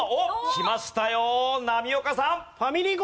きましたよ波岡さん！